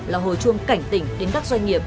là hồi chuông cảnh tỉnh đến đắc doanh nghiệp